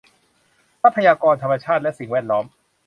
ทรัพยากรธรรมชาติและสิ่งแวดล้อม